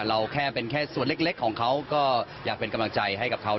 เราแค่เป็นแค่ส่วนเล็กของเขาก็อยากเป็นกำลังใจให้กับเขา